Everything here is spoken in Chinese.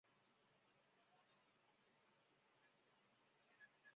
五十三军六九一团团长吕正操编入八路军。